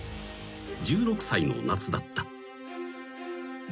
［１６歳の夏だった］